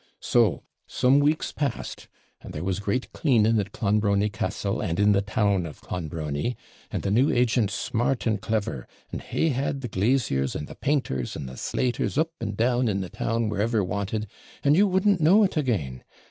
So some weeks past, and there was great cleaning at Clonbrony Castle, and in the town of Clonbrony; and the new agent's smart and clever; and he had the glaziers, and the painters, and the slaters up and down in the town wherever wanted; and you wouldn't know it again.